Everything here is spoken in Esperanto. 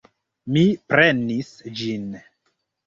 Mi prenis ĝin.